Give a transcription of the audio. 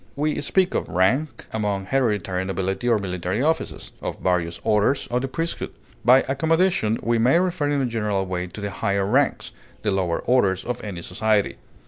We speak of rank among hereditary nobility or military officers; of various orders of the priesthood; by accommodation, we may refer in a general way to the higher ranks, the lower orders of any society.